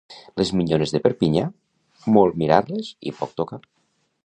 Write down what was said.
Les minyones de Perpinyà, molt mirar-les i poc tocar.